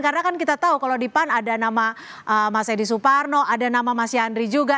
karena kan kita tahu kalau di pan ada nama mas edi suparno ada nama mas yandri juga